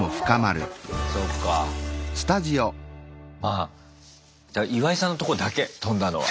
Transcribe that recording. あっ岩井さんのとこだけ飛んだのは。